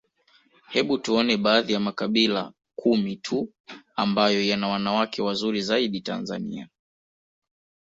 Hebu tuone baadhi ya makabila kumi tuu ambayo yana wanawake wazuri zaidi Tanzania